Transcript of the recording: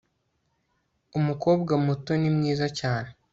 umukobwa muto ni mwiza cyane